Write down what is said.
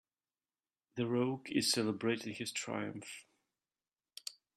The rogue is celebrating his triumph.